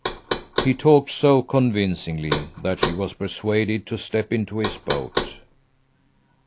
He talked so convincingly that she was persuaded to step into his boat.